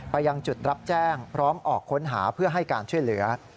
ยังจุดรับแจ้งพร้อมออกค้นหาเพื่อให้การช่วยเหลือ